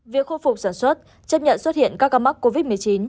việc khôi phục sản xuất chấp nhận xuất hiện các ca mắc covid một mươi chín